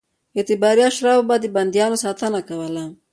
اعتباري اشرافو به د بندیانو ساتنه کوله.